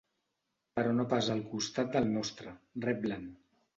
Però no pas al costat del nostre, reblen.